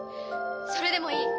それでもいい。